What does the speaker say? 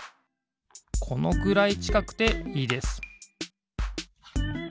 このくらいちかくていいです